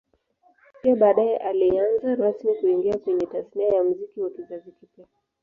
Pia baadae alianza rasmi kuingia kwenye Tasnia ya Muziki wa kizazi kipya